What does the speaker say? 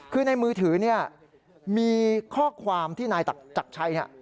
คือในมือถือมีข้อความที่นายจักรชัย